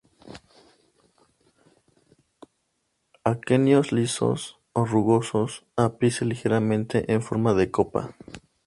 Aquenios lisos o rugosos, ápice ligeramente en forma de copa.